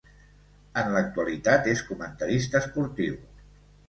En l'actualitat és comentarista esportiu.